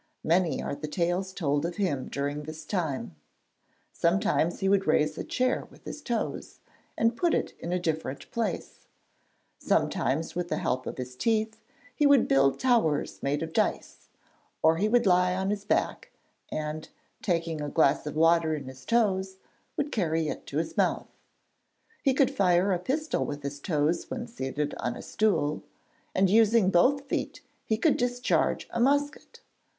Many are the tales told of him during this time. Sometimes he would raise a chair with his toes, and put it in a different place; sometimes with the help of his teeth he would build towers made of dice, or he would lie on his back and, taking a glass of water in his toes, would carry it to his mouth. He could fire a pistol with his toes when seated on a stool, and using both feet he could discharge a musket.